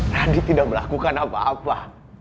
radi tidak melakukan apa apa